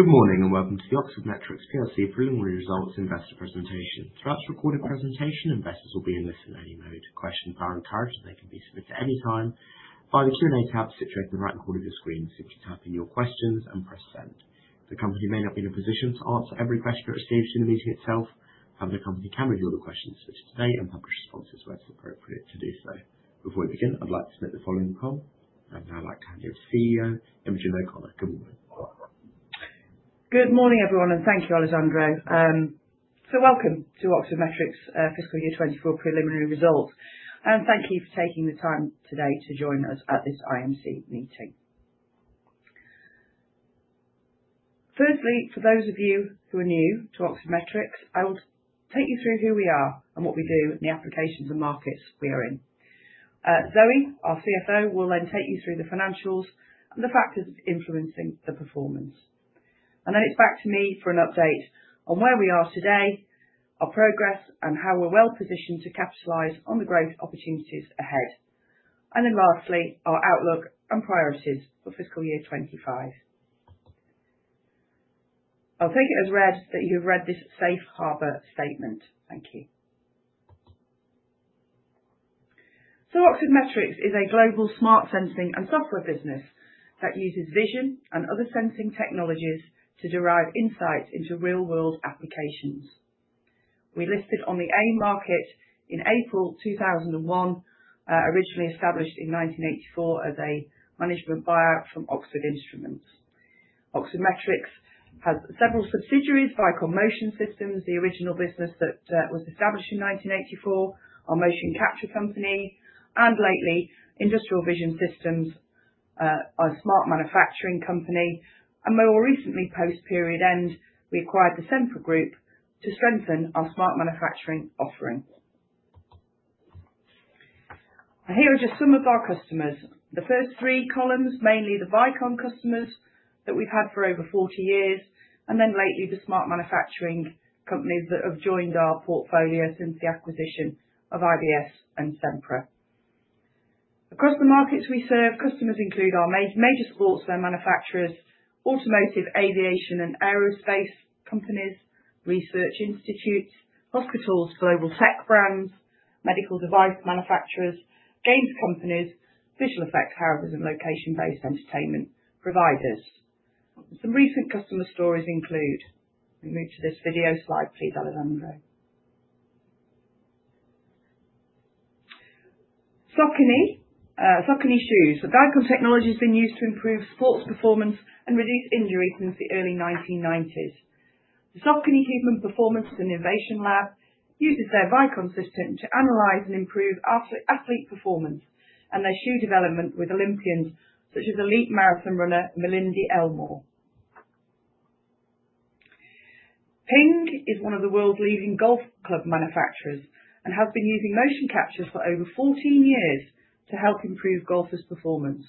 Good morning and welcome to the Oxford Metrics plc preliminary results investor presentation. Throughout this recorded presentation, investors will be in listen only mode. Questions are encouraged, they can be submitted at any time via the Q&A tab situated in the right corner of your screen. Simply type in your questions and press send. The company may not be in a position to answer every question raised during the meeting itself, however, the company can review all the questions submitted today and publish responses where it is appropriate to do so. Before we begin, I would like to note the following call. I'd now like to hand over to CEO, Imogen O’Connor. Good morning. Good morning, everyone, and thank you, Alessandro. Welcome to Oxford Metrics fiscal year 2024 preliminary results. Thank you for taking the time today to join us at this IMC meeting. Firstly, for those of you who are new to Oxford Metrics, I will take you through who we are and what we do, and the applications and markets we are in. Zoe, our CFO, will take you through the financials and the factors influencing the performance. It's back to me for an update on where we are today, our progress, and how we're well-positioned to capitalize on the growth opportunities ahead. Lastly, our outlook and priorities for fiscal year 2025. I'll take it as read that you have read this safe harbor statement. Thank you. Oxford Metrics is a global smart sensing and software business that uses vision and other sensing technologies to derive insights into real-world applications. We listed on the AIM market in April 2001, originally established in 1984 as a management buyout from Oxford Instruments. Oxford Metrics has several subsidiaries, Vicon Motion Systems, the original business that was established in 1984, our motion capture company, and lately Industrial Vision Systems, our smart manufacturing company, and more recently post-period end, we acquired The Sempre Group to strengthen our smart manufacturing offering. Here are just some of our customers. The first three columns, mainly the Vicon customers that we've had for over 40 years, and lately the smart manufacturing companies that have joined our portfolio since the acquisition of IVS and Sempre. Across the markets we serve, customers include our major sportswear manufacturers, automotive, aviation, and aerospace companies, research institutes, hospitals, global tech brands, medical device manufacturers, games companies, visual effects, however, as in location-based entertainment providers. Some recent customer stories include Can we move to this video slide, please, Alessandro. Saucony Shoes. The Vicon technology has been used to improve sports performance and reduce injury since the early 1990s. The Saucony Human Performance and Innovation Lab uses their Vicon system to analyze and improve athlete performance and their shoe development with Olympians such as elite marathon runner Malindi Elmore. PING is one of the world's leading golf club manufacturers and have been using motion capture for over 14 years to help improve golfers' performance.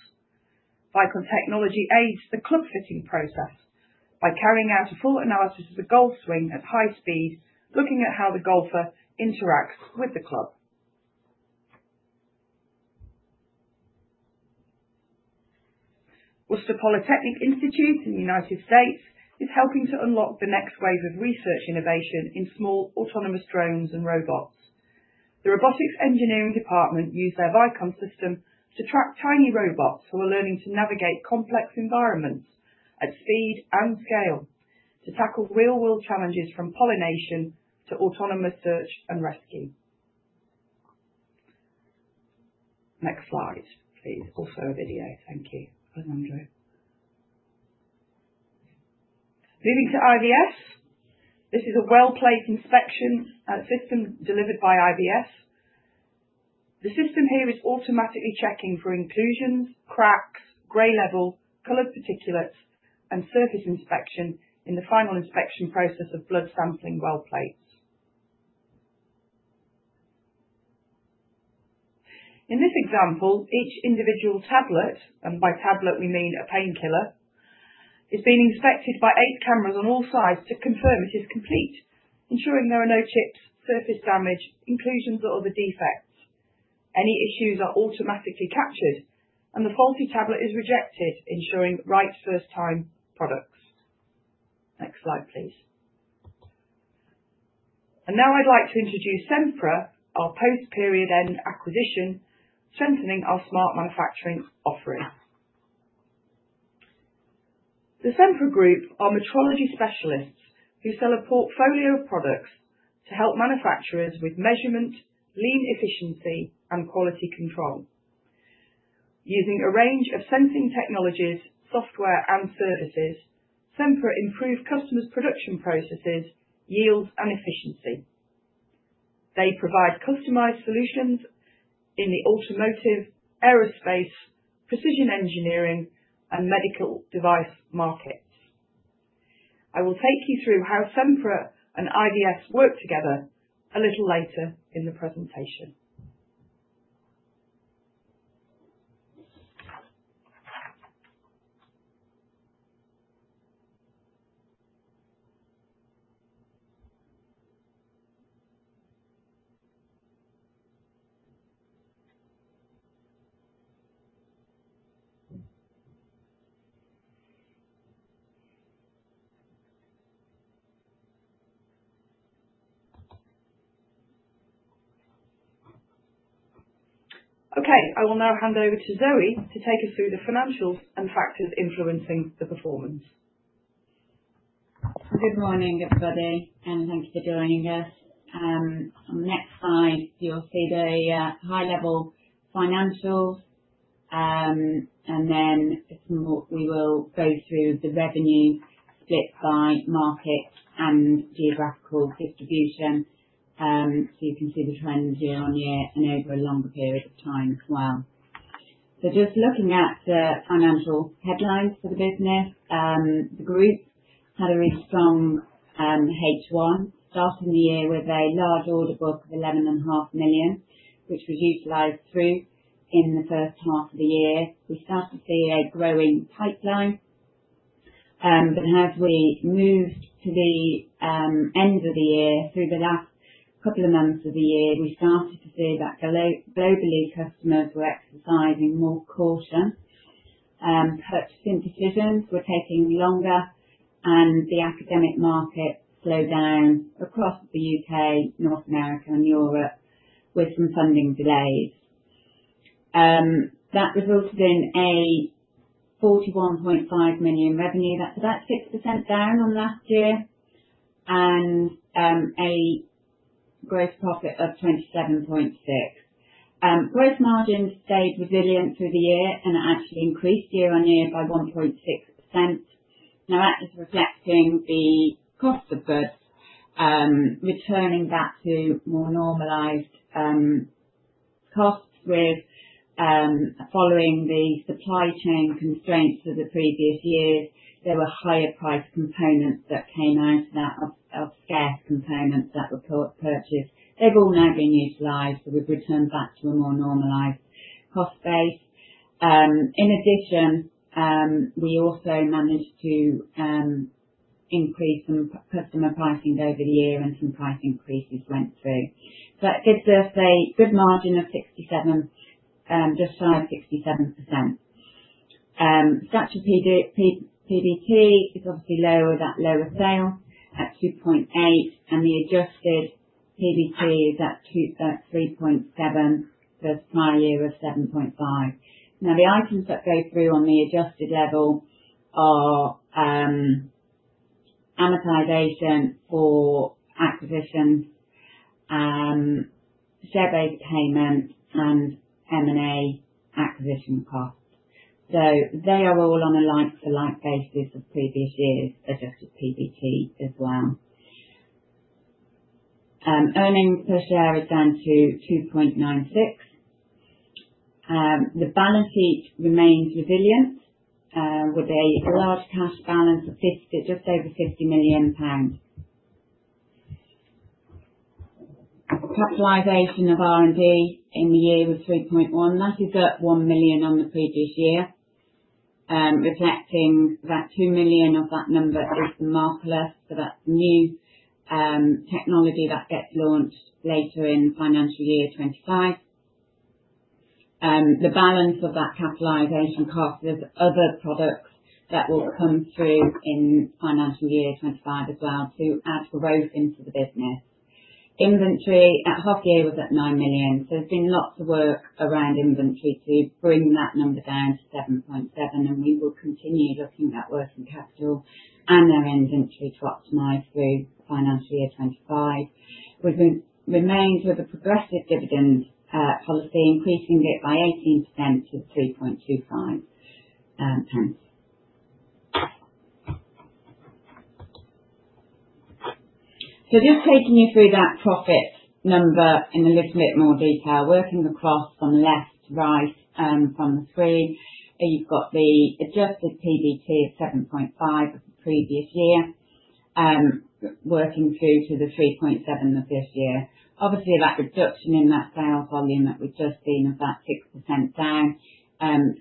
Vicon technology aids the club fitting process by carrying out a full analysis of the golf swing at high speed, looking at how the golfer interacts with the club. Worcester Polytechnic Institute in the U.S. is helping to unlock the next wave of research innovation in small autonomous drones and robots. The robotics engineering department use their Vicon system to track tiny robots who are learning to navigate complex environments at speed and scale to tackle real-world challenges from pollination to autonomous search and rescue. Next slide, please. Also, a video. Thank you, Alessandro. Moving to IVS. This is a well-placed inspection system delivered by IVS. The system here is automatically checking for inclusions, cracks, gray level, colored particulates, and surface inspection in the final inspection process of blood sampling well plates. In this example, each individual tablet, and by tablet we mean a painkiller, is being inspected by eight cameras on all sides to confirm it is complete, ensuring there are no chips, surface damage, inclusions or other defects. Any issues are automatically captured, and the faulty tablet is rejected, ensuring right first time products. Next slide, please. Now I'd like to introduce Sempre, our post-period end acquisition, strengthening our smart manufacturing offering. The Sempre Group are metrology specialists who sell a portfolio of products to help manufacturers with measurement, lean efficiency, and quality control. Using a range of sensing technologies, software, and services, Sempre improve customers' production processes, yields, and efficiency. They provide customized solutions in the automotive, aerospace, precision engineering, and medical device markets. I will take you through how Sempre and IVS work together a little later in the presentation. Okay. I will now hand over to Zoe to take us through the financials and factors influencing the performance. Good morning, everybody, thanks for joining us. On the next slide, you'll see the high-level financials, then we will go through the revenue split by market and geographical distribution. You can see the trends year-on-year and over a longer period of time as well. Just looking at the financial headlines for the business. The group had a really strong H1. Started the year with a large order book of 11.5 million, which was utilized through in the first half of the year. As we moved to the end of the year, through the last couple of months of the year, we started to see that globally, customers were exercising more caution. Purchasing decisions were taking longer, and the academic market slowed down across the U.K., North America, and Europe with some funding delays. That resulted in a 41.5 million revenue. That's about 6% down on last year and a gross profit of 27.6 million. Gross margins stayed resilient through the year and actually increased year on year by 1.6%. That is reflecting the cost of goods returning back to more normalized costs with, following the supply chain constraints of the previous years, there were higher priced components that came out of scarce components that were purchased. They've all now been utilized, so we've returned back to a more normalized cost base. In addition, we also managed to increase some customer pricing over the year and some price increases went through. That gives us a good margin of just shy of 67%. Statutory PBT is obviously lower with that lower sale at 2.8 million, and the adjusted PBT is at 3.7 million versus prior year of 7.5 million. The items that go through on the adjusted level are amortization for acquisitions, share-based payment, and M&A acquisition costs. They are all on a like for like basis of previous years' adjusted PBT as well. Earnings per share is down to 0.0296. The balance sheet remains resilient, with a large cash balance of just over 50 million pounds. Capitalization of R&D in the year was 3.1 million. That is up 1 million on the previous year, reflecting that 2 million of that number is the Markerless, so that's the new technology that gets launched later in financial year 2025. The balance of that capitalization cost is other products that will come through in financial year 2025 as well to add growth into the business. Inventory at half year was at 9 million. There's been lots of work around inventory to bring that number down to 7.7 million, and we will continue looking at working capital and our inventory to optimize through financial year 2025. We've remained with a progressive dividend policy, increasing it by 18% to GBP 0.0325. Just taking you through that profit number in a little bit more detail, working across from left to right from the three, you've got the adjusted PBT of 7.5 million of the previous year, working through to the 3.7 million of this year. Obviously, that reduction in that sales volume that we've just seen of that 6% down,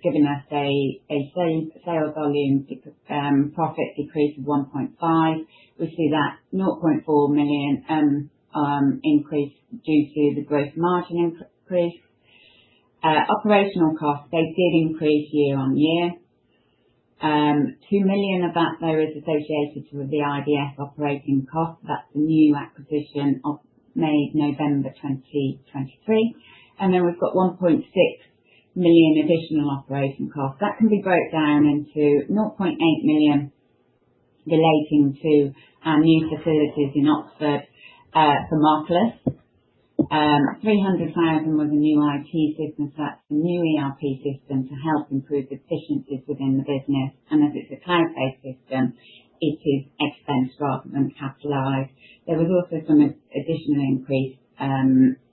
giving us a sales volume profit decrease of 1.5 million. We see that 0.4 million increase due to the gross margin increase. Operational costs, they did increase year on year. 2 million of that, though, is associated with the IVS operating cost. That's the new acquisition made November 2023. We've got 1.6 million additional operating costs. That can be broke down into 0.8 million relating to our new facilities in Oxford for Markerless. 300,000 was a new IT system. That's the new ERP system to help improve the efficiencies within the business. As it's a cloud-based system, it is expensed rather than capitalized. There was also some additional increase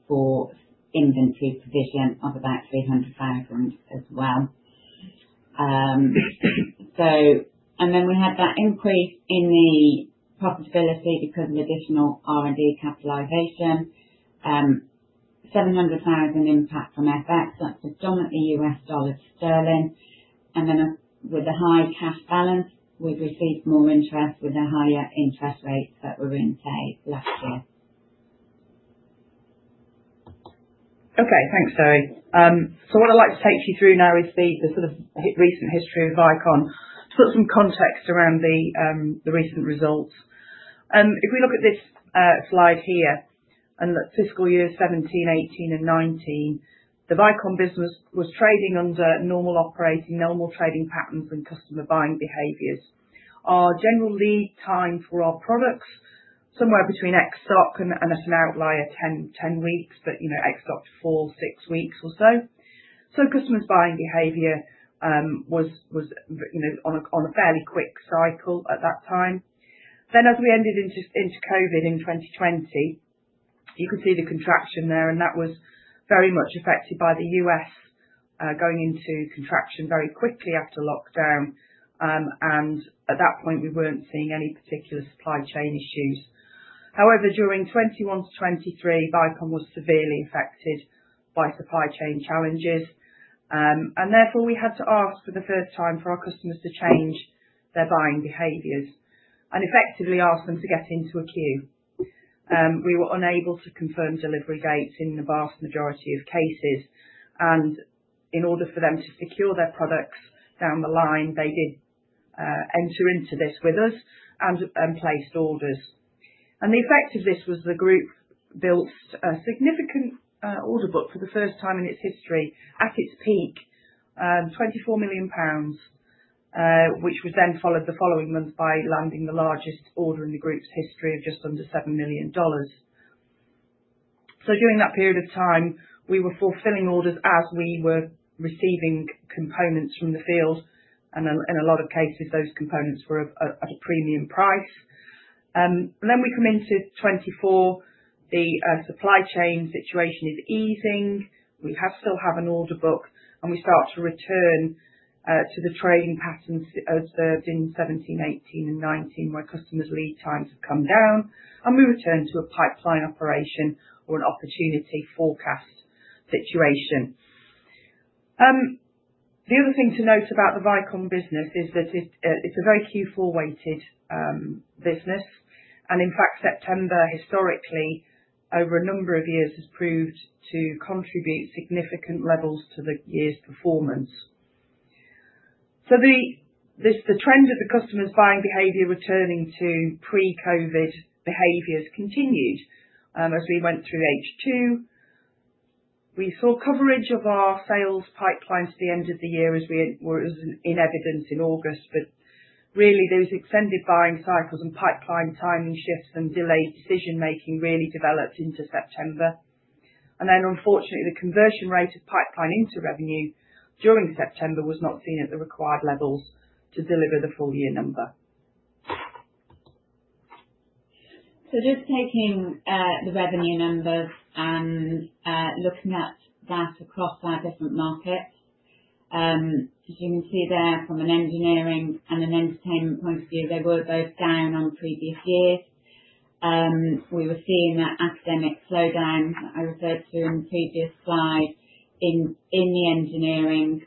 for inventory provision of about 300,000 as well. We had that increase in the profitability because of additional R&D capitalization. 700,000 impact from FX. That's predominantly U.S. dollar to sterling. With the high cash balance, we've received more interest with the higher interest rates that were in play last year. Okay. Thanks, Zoe. What I'd like to take you through now is the recent history of Vicon, to put some context around the recent results. If we look at this slide here, and the fiscal year 2017, 2018, and 2019, the Vicon business was trading under normal operating, normal trading patterns and customer buying behaviors. Our general lead time for our products, somewhere between ex-stock and at an outlier, 10 weeks, but ex-stock, four, six weeks or so. Customers' buying behavior was on a fairly quick cycle at that time. As we ended into COVID in 2020, you can see the contraction there, and that was very much affected by the U.S. going into contraction very quickly after lockdown. At that point, we weren't seeing any particular supply chain issues. However, during 2021 to 2023, Vicon was severely affected by supply chain challenges. Therefore, we had to ask for the first time for our customers to change their buying behaviors, and effectively ask them to get into a queue. We were unable to confirm delivery dates in the vast majority of cases. In order for them to secure their products down the line, they did enter into this with us and placed orders. The effect of this was the group built a significant order book for the first time in its history. At its peak, 24 million pounds, which was then followed the following month by landing the largest order in the group's history of just under $7 million. During that period of time, we were fulfilling orders as we were receiving components from the field, and in a lot of cases, those components were at a premium price. We come into 2024, the supply chain situation is easing. We still have an order book, and we start to return to the trading patterns observed in 2017, 2018, and 2019, where customers' lead times have come down, and we return to a pipeline operation or an opportunity forecast situation. The other thing to note about the Vicon business is that it's a very Q4 weighted business. In fact, September, historically, over a number of years, has proved to contribute significant levels to the year's performance. The trend of the customers' buying behavior returning to pre-COVID behaviors continued as we went through H2. We saw coverage of our sales pipeline to the end of the year as in evidence in August. Really, those extended buying cycles and pipeline timing shifts and delayed decision making really developed into September. Unfortunately, the conversion rate of pipeline into revenue during September was not seen at the required levels to deliver the full year number. Just taking the revenue numbers and looking at that across our different markets. As you can see there from an engineering and an entertainment point of view, they were both down on previous years. We were seeing that academic slowdown I referred to on the previous slide in the engineering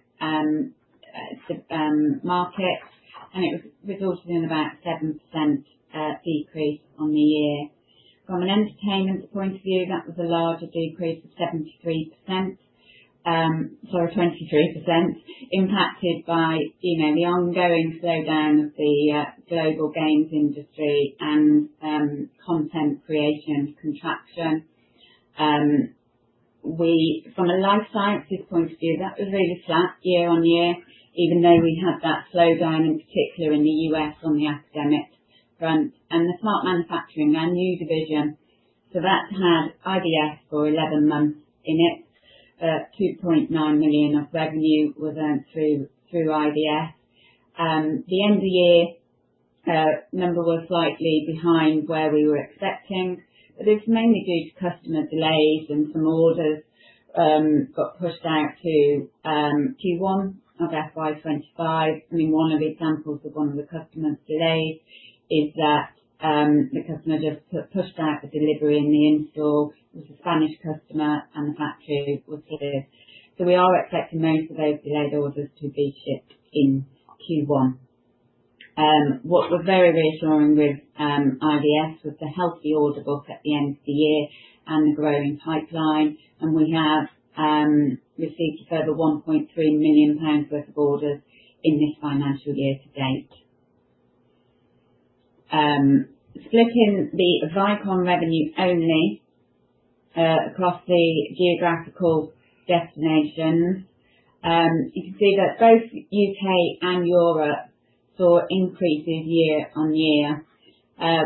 market, and it resulted in about 7% decrease on the year. From an entertainment point of view, that was a larger decrease of 23%, impacted by the ongoing slowdown of the global games industry and content creation contraction. From a life sciences point of view, that was really flat year-on-year, even though we had that slowdown, in particular in the U.S. on the academic front. The smart manufacturing, our new division, that had IVS for 11 months in it. 2.9 million of revenue was earned through IVS. The end of year number was slightly behind where we were expecting, but it is mainly due to customer delays and some orders got pushed out to Q1 of FY 2025. One of the examples of one of the customer delays is that the customer just pushed out the delivery and the install. It was a Spanish customer, and the factory was cleared. We are expecting most of those delayed orders to be shipped in Q1. What was very reassuring with IVS was the healthy order book at the end of the year and the growing pipeline, and we have received a further £1.3 million worth of orders in this financial year to date. Splitting the Vicon revenue only across the geographical destinations, you can see that both U.K. and Europe saw increases year-on-year,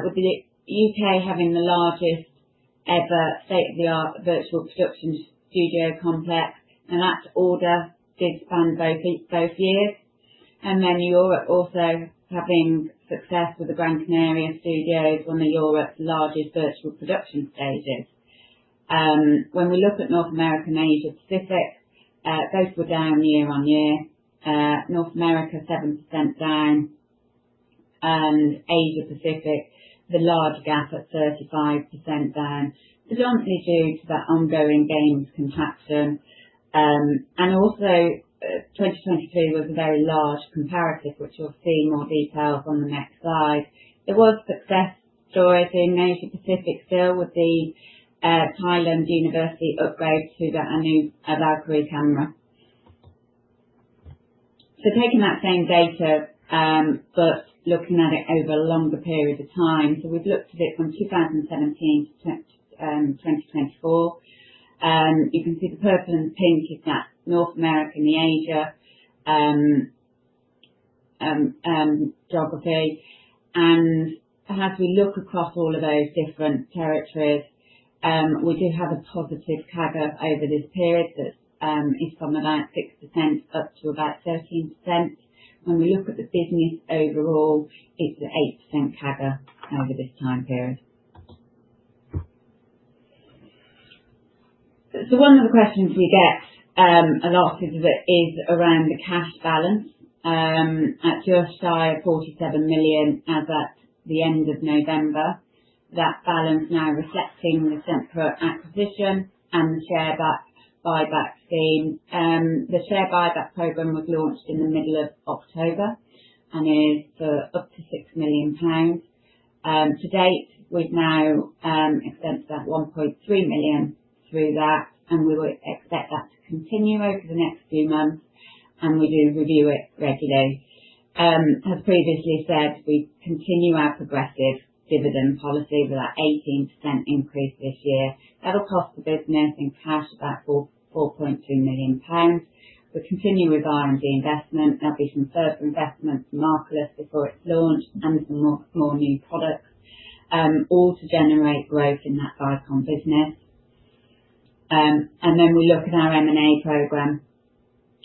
with the U.K. having the largest ever state-of-the-art virtual production studio complex, and that order did span both years. Europe also having success with the Gran Canaria studios, one of Europe's largest virtual production stages. When we look at North America and Asia Pacific, both were down year-on-year. North America, 7% down, and Asia Pacific, the large gap at 35% down. Predominantly due to that ongoing games contraction, and also 2022 was a very large comparative, which you will see more details on the next slide. There was success stories in Asia Pacific still with the Thailand university upgrade to the new Valkyrie camera. Taking that same data, but looking at it over a longer period of time. We've looked at it from 2017 to 2024. You can see the purple and pink is that North America and the Asia geography. As we look across all of those different territories, we do have a positive CAGR over this period that is from about 6% up to about 13%. When we look at the business overall, it's an 8% CAGR over this time period. One of the questions we get a lot is around the cash balance at just shy of 47 million as at the end of November. That balance now reflecting the Sempre acquisition and the share buyback scheme. The share buyback program was launched in the middle of October and is for up to 6 million pounds. To date, we've now expensed that 1.3 million through that, and we would expect that to continue over the next few months. We do review it regularly. As previously said, we continue our progressive dividend policy with our 18% increase this year. That'll cost the business in cash about 4.2 million pounds. We continue with R&D investment. There'll be some further investment to Markerless before it's launched and some more new products, all to generate growth in that Vicon business. We look at our M&A program,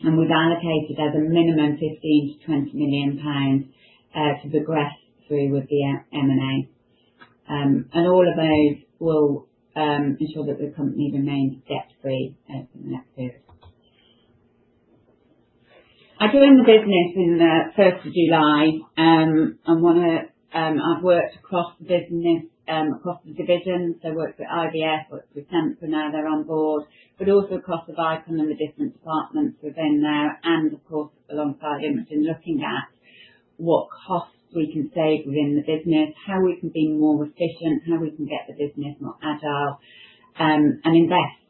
and we've allocated as a minimum 15 million-20 million pounds to progress through with the M&A. All of those will ensure that the company remains debt-free over the next period. I joined the business in the first of July. I've worked across the business, across the divisions. I worked with IVS, worked with Sempre now they're on board, but also across the Vicon and the different departments within there, and of course, alongside Imogen, looking at what costs we can save within the business, how we can be more efficient, how we can get the business more agile, and invest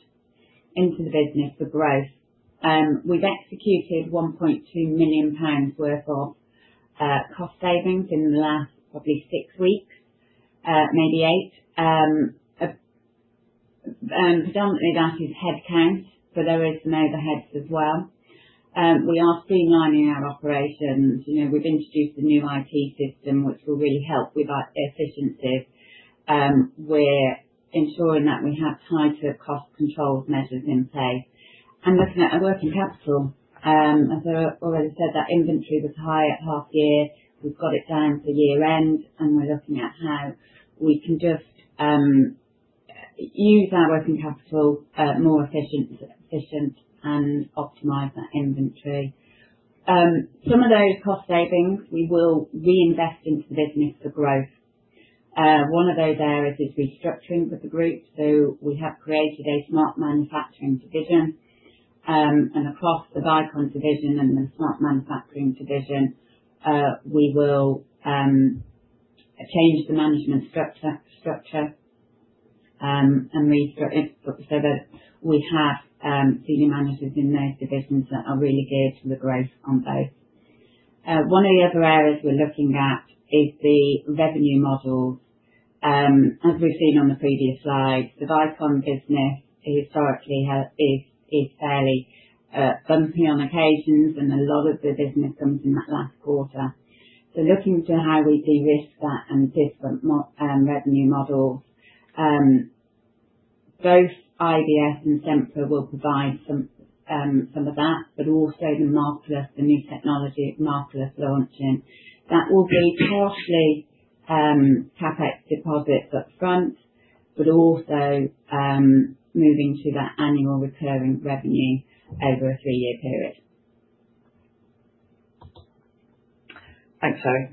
into the business for growth. We've executed 1.2 million pounds worth of cost savings in the last probably six weeks, maybe eight. Predominantly that is head count, but there is some overheads as well. We are streamlining our operations. We've introduced a new IT system which will really help with our efficiencies. We're ensuring that we have tighter cost control measures in place. Looking at our working capital. As I already said, that inventory was high at half year. We've got it down for year-end, we're looking at how we can just use our working capital more efficient and optimize that inventory. Some of those cost savings we will reinvest into the business for growth. One of those areas is restructuring with the group. We have created a smart manufacturing division, and across the Vicon division and the smart manufacturing division, we will change the management structure so that we have senior managers in those divisions that are really geared for the growth on both. One of the other areas we're looking at is the revenue models. As we've seen on the previous slides, the Vicon business historically is fairly bumpy on occasions, and a lot of the business comes in that last quarter. Looking to how we de-risk that and different revenue models. Both IVS and Sempre will provide some of that, but also the Markerless, the new technology Markerless is launching. That will be partially CapEx deposits up front, but also moving to that annual recurring revenue over a three-year period. Thanks, Zoe.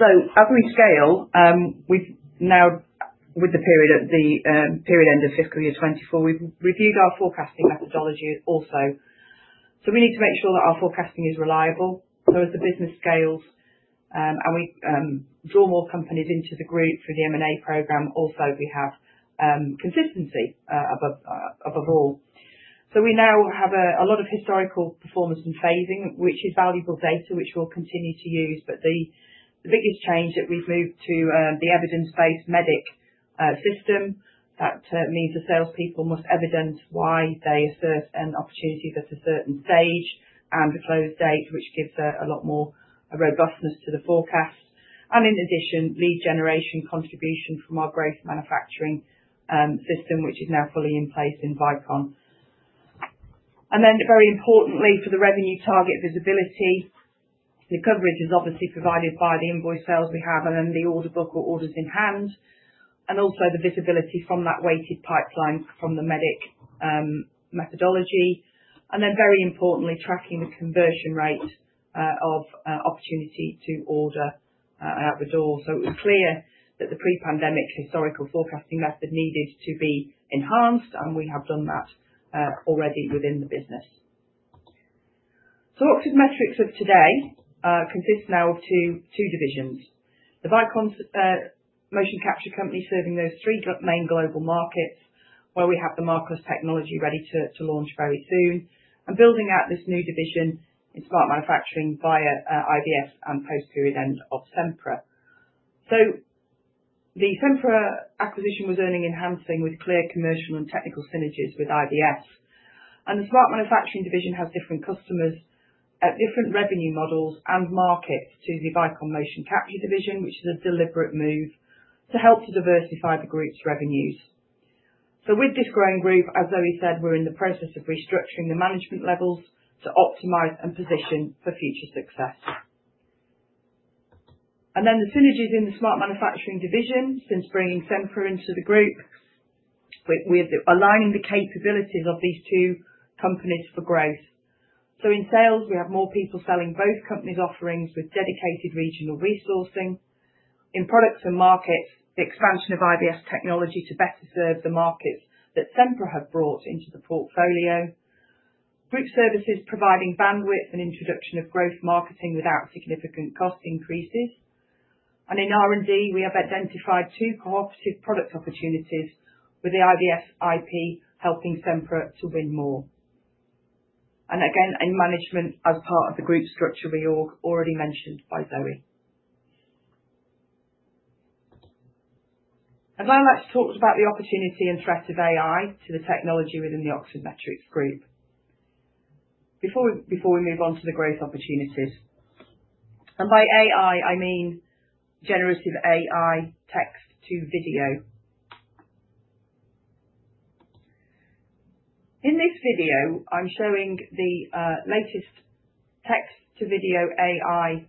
As we scale, with the period end of FY 2024, we've reviewed our forecasting methodology also. We need to make sure that our forecasting is reliable as the business scales, and we draw more companies into the group through the M&A program also, we have consistency above all. We now have a lot of historical performance and phasing, which is valuable data, which we'll continue to use. The biggest change that we've moved to the evidence-based MEDDIC system, that means the salespeople must evidence why they assert an opportunity that's a certain stage and a close date, which gives a lot more robustness to the forecast. In addition, lead generation contribution from our growth marketing system, which is now fully in place in Vicon. Very importantly, for the revenue target visibility, the coverage is obviously provided by the invoice sales we have and the order book or orders in hand, also the visibility from that weighted pipeline from the MEDDIC methodology. Very importantly, tracking the conversion rate of opportunity to order out the door. It was clear that the pre-pandemic historical forecasting method needed to be enhanced, and we have done that already within the business. Oxford Metrics of today consists now of two divisions. The Vicon motion capture company serving those three main global markets, where we have the markerless technology ready to launch very soon, and building out this new division in smart manufacturing via IVS and post-acquisition of Sempre. The Sempre acquisition was earning enhancing with clear commercial and technical synergies with IVS. The smart manufacturing division has different customers at different revenue models and markets to the Vicon motion capture division, which is a deliberate move to help to diversify the group's revenues. With this growing group, as Zoe said, we're in the process of restructuring the management levels to optimize and position for future success. The synergies in the smart manufacturing division since bringing Sempre into the group, we're aligning the capabilities of these two companies for growth. In sales, we have more people selling both companies offerings with dedicated regional resourcing. In products and markets, the expansion of IVS technology to better serve the markets that Sempre have brought into the portfolio. Group services providing bandwidth and introduction of growth marketing without significant cost increases. In R&D, we have identified two cooperative product opportunities with the IVS IP helping Sempre to win more. In management as part of the group structure reorg already mentioned by Zoe. I'd now like to talk about the opportunity and threat of AI to the technology within the Oxford Metrics group before we move on to the growth opportunities. By AI, I mean generative AI text to video. In this video, I'm showing the latest text to video AI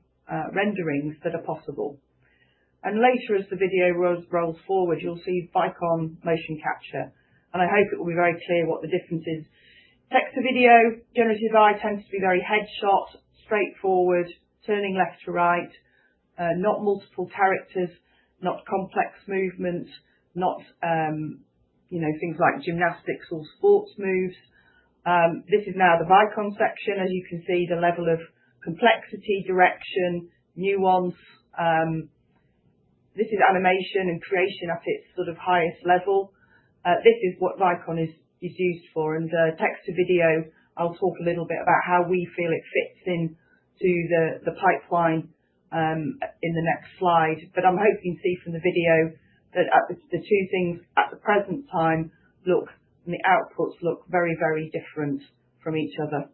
renderings that are possible. Later as the video rolls forward, you'll see Vicon motion capture, and I hope it will be very clear what the difference is. Text to video, generative AI tends to be very headshot, straightforward, turning left to right, not multiple characters, not complex movement, not things like gymnastics or sports moves. This is now the Vicon section. As you can see, the level of complexity, direction, nuance. This is animation and creation at its highest level. This is what Vicon is used for. Text to video, I'll talk a little bit about how we feel it fits into the pipeline in the next slide. I'm hoping you can see from the video that the two things at the present time look, and the outputs look very, very different from each other.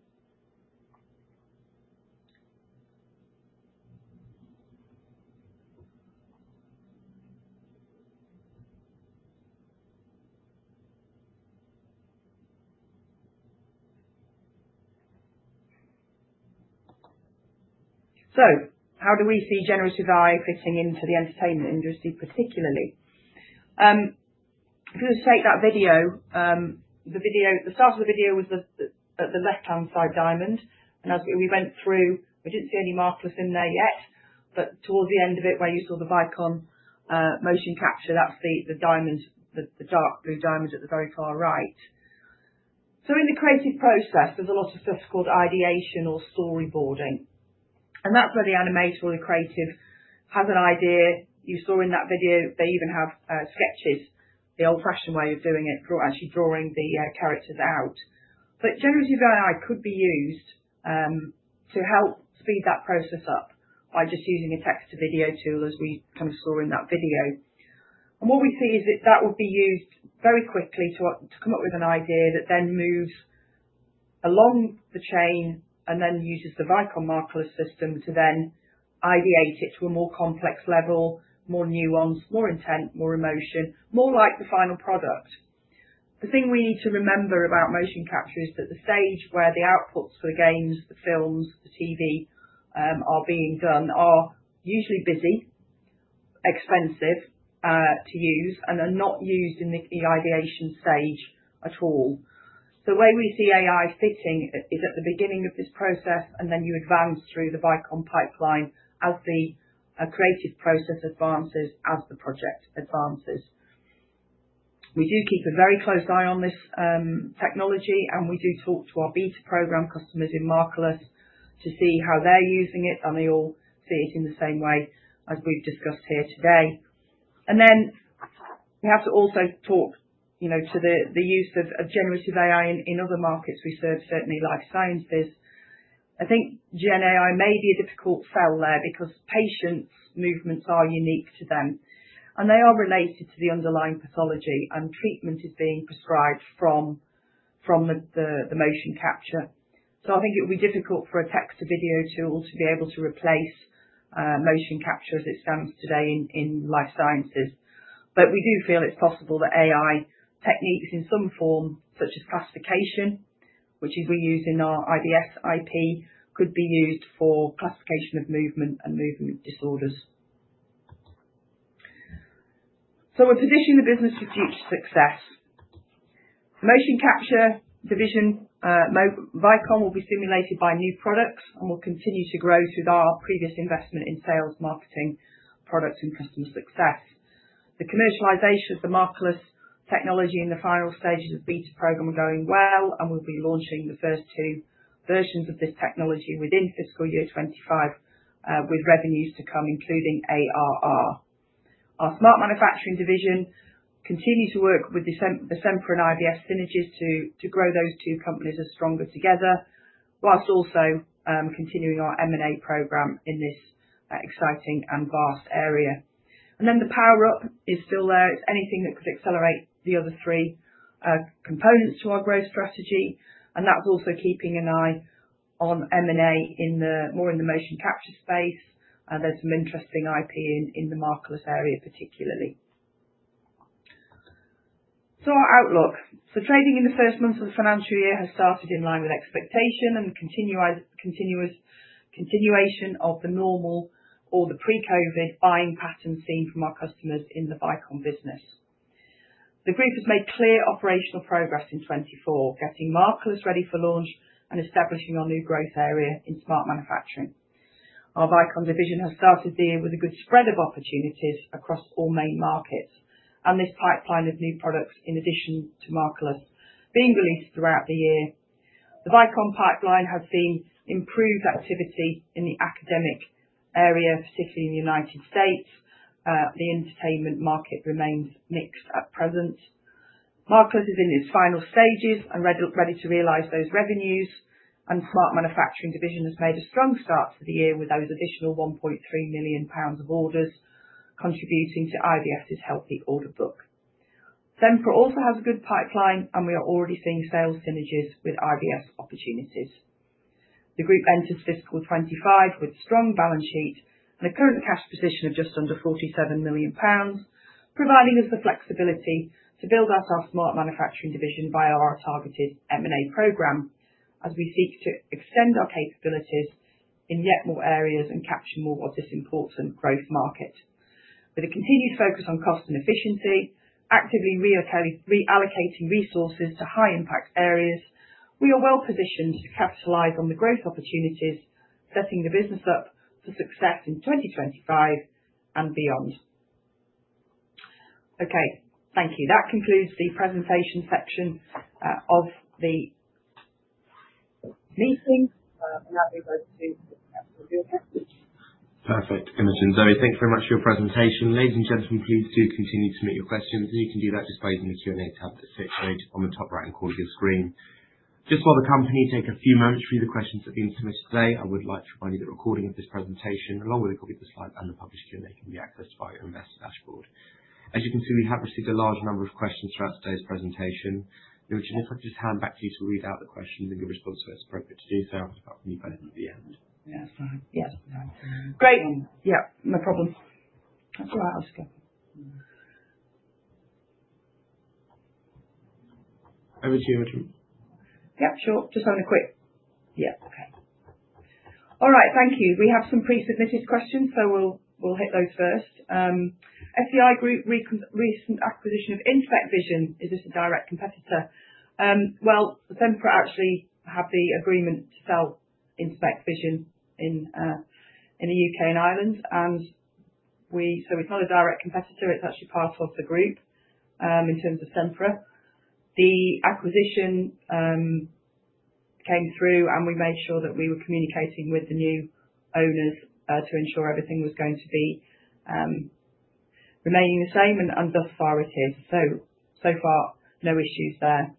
How do we see generative AI fitting into the entertainment industry, particularly? If you take that video, the start of the video was at the left-hand side diamond, and as we went through, we didn't see any markerless in there yet, but towards the end of it, where you saw the Vicon motion capture, that's the dark blue diamond at the very far right. In the creative process, there's a lot of stuff called ideation or storyboarding. That's where the animator or the creative has an idea. You saw in that video, they even have sketches, the old-fashioned way of doing it, actually drawing the characters out. Generative AI could be used to help speed that process up by just using a text to video tool as we saw in that video. What we see is that would be used very quickly to come up with an idea that then moves along the chain and then uses the Vicon markerless system to then ideate it to a more complex level, more nuanced, more intent, more emotion, more like the final product. The thing we need to remember about motion capture is that the stage where the outputs for games, the films, the TV are being done are usually busy, expensive to use, and are not used in the ideation stage at all. The way we see AI fitting is at the beginning of this process, then you advance through the Vicon pipeline as the creative process advances, as the project advances. We do keep a very close eye on this technology, we do talk to our beta program customers in markerless to see how they're using it, they all see it in the same way as we've discussed here today. Then we have to also talk to the use of generative AI in other markets we serve, certainly life sciences. I think gen AI may be a difficult sell there because patients' movements are unique to them, they are related to the underlying pathology, and treatment is being prescribed from the motion capture. I think it would be difficult for a text to video tool to be able to replace motion capture as it stands today in life sciences. We do feel it's possible that AI techniques in some form, such as classification, which we use in our IVS IP, could be used for classification of movement and movement disorders. We're positioning the business for future success. The motion capture division, Vicon, will be stimulated by new products and will continue to grow through our previous investment in sales, marketing, products, and customer success. The commercialization of the markerless technology in the final stages of beta program are going well, and we'll be launching the first 2 versions of this technology within fiscal year 2025, with revenues to come, including ARR. Our smart manufacturing division continue to work with The Sempre and IVS synergies to grow those two companies as stronger together, whilst also continuing our M&A program in this exciting and vast area. The power-up is still there. It's anything that could accelerate the other three components to our growth strategy, and that's also keeping an eye on M&A more in the motion capture space. There's some interesting IP in the markerless area, particularly. Our outlook. Trading in the first months of the financial year has started in line with expectation and continuation of the normal or the pre-COVID buying pattern seen from our customers in the Vicon business. The group has made clear operational progress in 2024, getting markerless ready for launch and establishing our new growth area in smart manufacturing. Our Vicon division has started the year with a good spread of opportunities across all main markets, and this pipeline of new products in addition to markerless being released throughout the year. The Vicon pipeline has seen improved activity in the academic area, particularly in the U.S. The entertainment market remains mixed at present. Markerless is in its final stages and ready to realize those revenues, and smart manufacturing division has made a strong start to the year with those additional GBP 1.3 million of orders contributing to IVS's healthy order book. Sempre also has a good pipeline, and we are already seeing sales synergies with IVS opportunities. The group enters fiscal 2025 with strong balance sheet and a current cash position of just under 47 million pounds, providing us the flexibility to build out our smart manufacturing division by our targeted M&A program as we seek to extend our capabilities in yet more areas and capture more of this important growth market. With a continued focus on cost and efficiency, actively reallocating resources to high-impact areas, we are well-positioned to capitalize on the growth opportunities, setting the business up for success in 2025 and beyond. Okay. Thank you. That concludes the presentation section of the meeting. I'll now be able to take any questions. Perfect. Imogen, Zoe, thank you very much for your presentation. Ladies and gentlemen, please do continue to submit your questions, and you can do that just by using the Q&A tab that sits right on the top right-hand corner of your screen. Just while the company take a few moments to read the questions that have been submitted today, I would like to remind you that a recording of this presentation, along with a copy of the slides and the published Q&A, can be accessed via your investor dashboard. As you can see, we have received a large number of questions throughout today's presentation. Imogen, if I could just hand back to you to read out the questions and your response to it's appropriate to do so. I'll pop you both on at the end. Yeah, that's fine. Yeah. Great. Yeah, no problem. That's all right, Oscar. Over to you, Imogen. Sure. Just having a quick. Okay. All right. Thank you. We have some pre-submitted questions, so we will hit those first. "FCI Group recent acquisition of InspecVision, is this a direct competitor?" Sempre actually have the agreement to sell InspecVision in the U.K. and Ireland. It is not a direct competitor, it is actually part of the group, in terms of Sempre. The acquisition came through, we made sure that we were communicating with the new owners to ensure everything was going to be remaining the same, and thus far it is. So far, no issues there.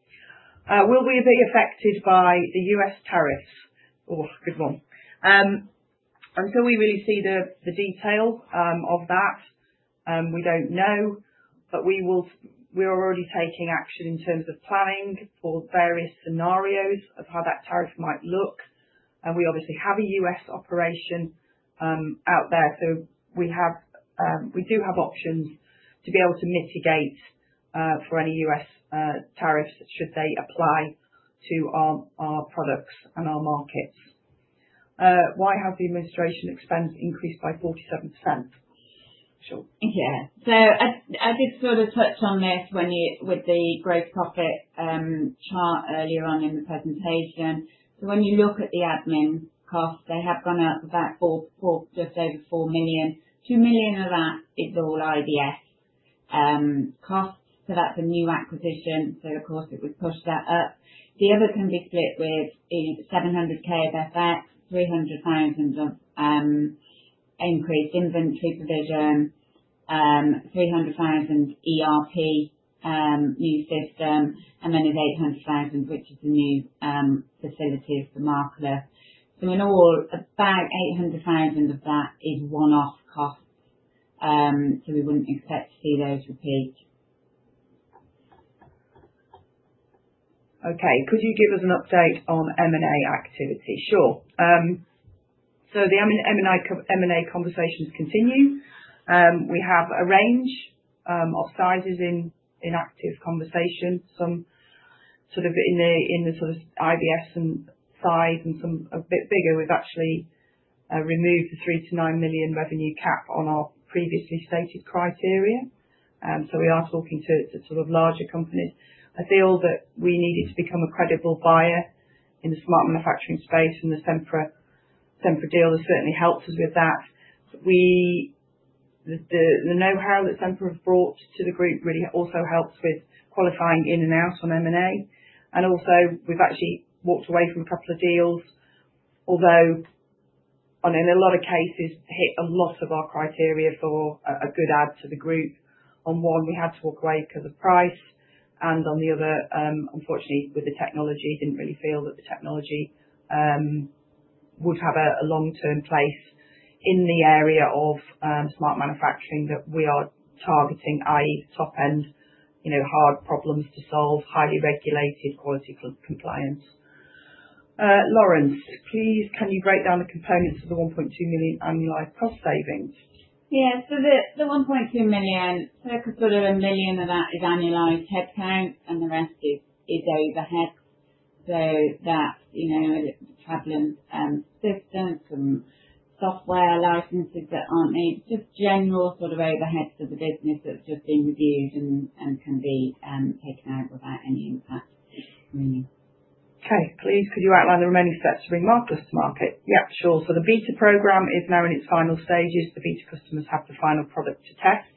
"Will we be affected by the U.S. tariffs?" Good one. Until we really see the detail of that, we do not know. We are already taking action in terms of planning for various scenarios of how that tariff might look. We obviously have a U.S. operation out there, we do have options to be able to mitigate for any U.S. tariffs should they apply to our products and our markets. "Why have the administration expense increased by 47%?" Sure. As we sort of touched on this with the gross profit chart earlier on in the presentation. When you look at the admin costs, they have gone up about just over 4 million. 2 million of that is all IVS costs, that is a new acquisition, of course it would push that up. The other can be split with the 700K of FX, 300,000 of increased inventory provision, 300,000 ERP new system, and then there is 800,000 which is the new facilities for markerless. In all, about 800,000 of that is one-off costs, we would not expect to see those repeat. Okay. "Could you give us an update on M&A activity?" Sure. The M&A conversations continue. We have a range of sizes in active conversations, some sort of in the sort of IVS size and some a bit bigger. We have actually removed the 3 million-9 million revenue cap on our previously stated criteria. We are talking to sort of larger companies. I feel that we needed to become a credible buyer in the smart manufacturing space in the Sempre Deal has certainly helped us with that. The know-how that Sempre have brought to the group really also helps with qualifying in and out on M&A. Also we have actually walked away from a couple of deals, although, in a lot of cases hit a lot of our criteria for a good add to the group. On one we had to walk away because of price, and on the other, unfortunately with the technology, didn't really feel that the technology would have a long-term place in the area of smart manufacturing that we are targeting, i.e. top end, hard problems to solve, highly regulated quality compliance. Lawrence, please can you break down the components for the 1.2 million annualized cost savings? The 1.2 million, a couple of a million of that is annualized headcount, and the rest is overhead. That, travel and systems and software licenses that aren't needed. General sort of overheads for the business that have just been reviewed and can be taken out without any impact really. Okay. Please could you outline the remaining steps to bring Markerless to market? Yeah, sure. The beta program is now in its final stages. The beta customers have the final product to test.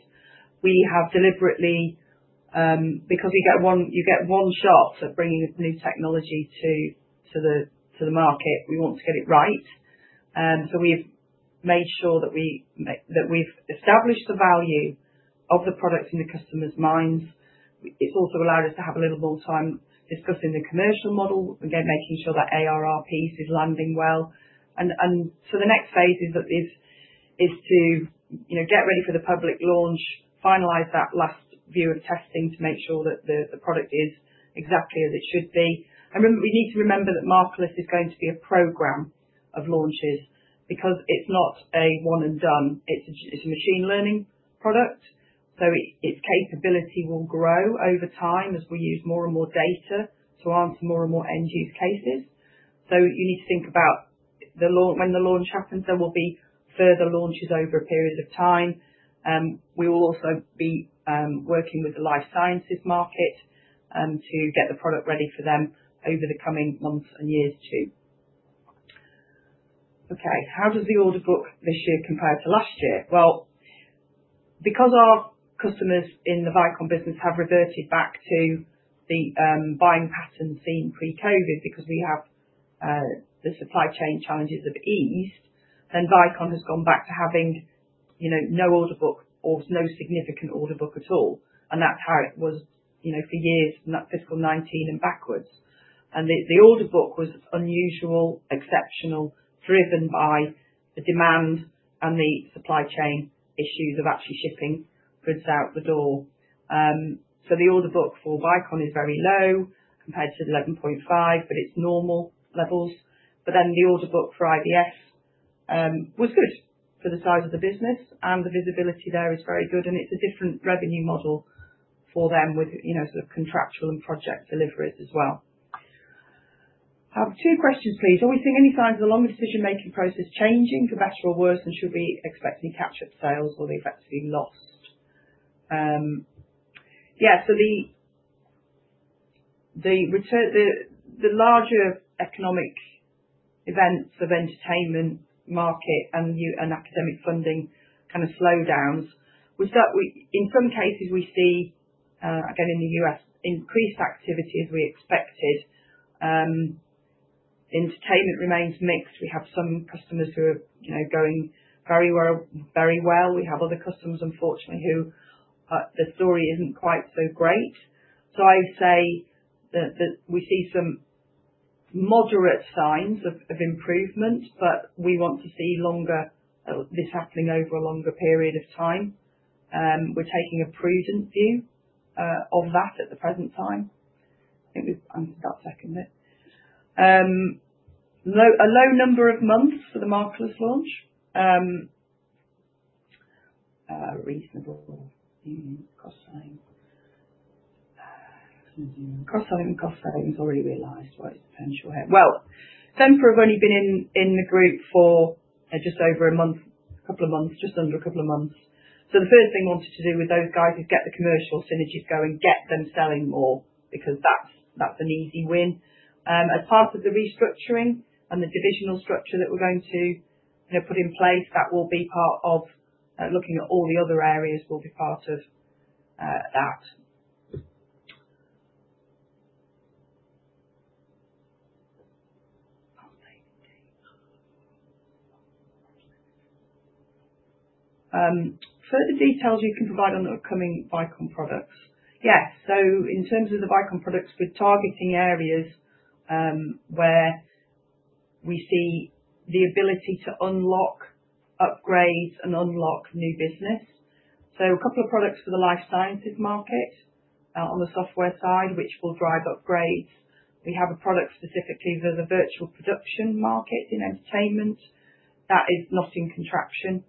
We have deliberately, because you get one shot at bringing new technology to the market, we want to get it right. We've made sure that we've established the value of the product in the customer's minds. It's also allowed us to have a little more time discussing the commercial model, again, making sure that ARR piece is landing well. The next phase is to get ready for the public launch, finalize that last view of testing to make sure that the product is exactly as it should be. Remember, we need to remember that Markerless is going to be a program of launches because it's not a one and done. It's a machine learning product, so its capability will grow over time as we use more and more data to answer more and more end-use cases. You need to think about when the launch happens, there will be further launches over a period of time. We will also be working with the life sciences market, to get the product ready for them over the coming months and years too. Okay. How does the order book this year compare to last year? Because our customers in the Vicon business have reverted back to the buying pattern seen pre-COVID, because the supply chain challenges have eased, then Vicon has gone back to having no order book or no significant order book at all. That's how it was for years from that fiscal 2019 and backwards. The order book was unusual, exceptional, driven by the demand and the supply chain issues of actually shipping goods out the door. The order book for Vicon is very low compared to the 11.5, but it's normal levels. The order book for IVS was good for the size of the business, and the visibility there is very good, and it's a different revenue model for them with sort of contractual and project deliveries as well. Two questions, please. Are we seeing any signs of the longer decision-making process changing for better or worse? Should we expect any catch-up sales or they've actually been lost? The larger economic events of entertainment market and academic funding kind of slowdowns, in some cases we see, again in the U.S., increased activity as we expected. Entertainment remains mixed. We have some customers who are going very well. We have other customers, unfortunately, who the story isn't quite so great. I'd say that we see some moderate signs of improvement, but we want to see this happening over a longer period of time. We're taking a prudent view of that at the present time. I think we've answered that second bit. A low number of months for the Markerless launch. Reasonable for the cost saving. Cost saving is already realized, right? It's potential here. Sempre have only been in the group for just over a month, a couple of months, just under a couple of months. The first thing we wanted to do with those guys is get the commercial synergies going, get them selling more, because that's an easy win. As part of the restructuring and the divisional structure that we're going to put in place, that will be part of looking at all the other areas will be part of that. Further details you can provide on the upcoming Vicon products. In terms of the Vicon products, we're targeting areas, where we see the ability to unlock upgrades and unlock new business. A couple of products for the life sciences market, on the software side, which will drive upgrades. We have a product specifically for the virtual production market in entertainment that is not in contraction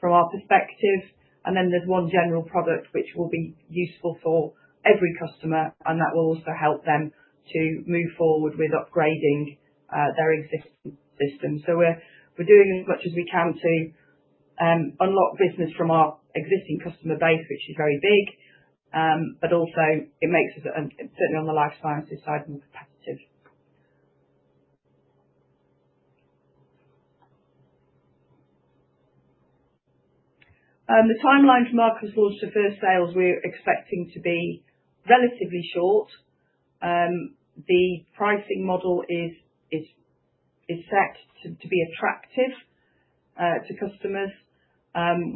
from our perspective. There's one general product which will be useful for every customer, and that will also help them to move forward with upgrading their existing system. We're doing as much as we can to unlock business from our existing customer base, which is very big. Also it makes us, certainly on the life sciences side, more competitive. The timeline from market launch to first sales, we're expecting to be relatively short. The pricing model is set to be attractive to customers.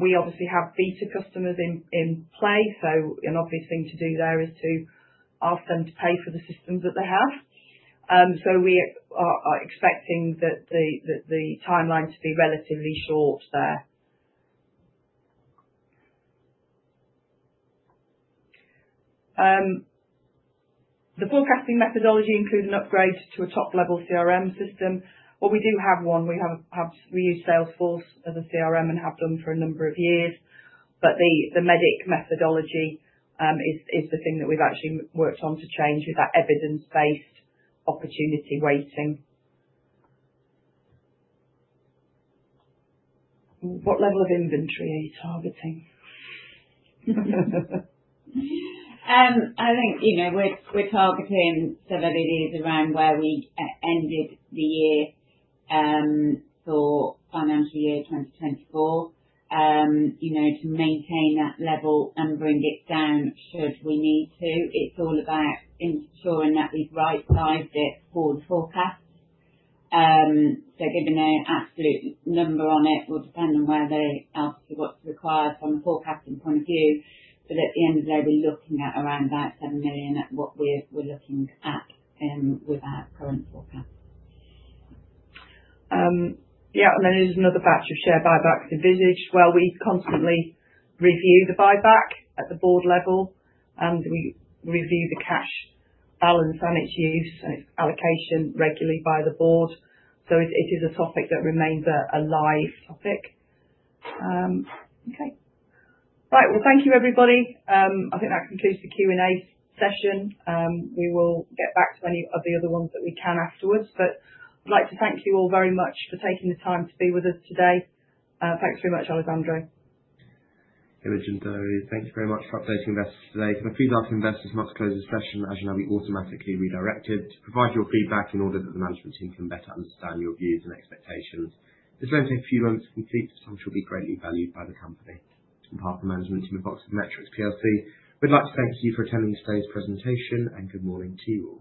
We obviously have beta customers in play, an obvious thing to do there is to ask them to pay for the systems that they have. We are expecting the timeline to be relatively short there. The forecasting methodology includes an upgrade to a top-level CRM system. We do have one. We use Salesforce as a CRM and have done for a number of years. The MEDDIC methodology is the thing that we've actually worked on to change with that evidence-based opportunity weighting. What level of inventory are you targeting? I think we're targeting sort of areas around where we ended the year, for financial year 2024. To maintain that level and bring it down should we need to, it's all about ensuring that we've right-sized it for the forecast. Giving an absolute number on it will depend on where they ask for what's required from a forecasting point of view. At the end of the day, we're looking at around about 7 million at what we're looking at with our current forecast. There's another batch of share buybacks envisaged. We constantly review the buyback at the board level, we review the cash balance and its use and its allocation regularly by the board. It is a topic that remains a live topic. Okay. All right. Well, thank you, everybody. I think that concludes the Q&A session. We will get back to any of the other ones that we can afterwards. I'd like to thank you all very much for taking the time to be with us today. Thanks very much, Alessandro. Imogen, Zoe. Thank you very much for updating investors today. For feedback from investors, once closed this session, as you know, you'll automatically be redirected to provide your feedback in order that the management team can better understand your views and expectations. This will only take a few moments to complete, which will be greatly valued by the company. On behalf of the management team at Oxford Metrics plc, we'd like to thank you for attending today's presentation, good morning to you all.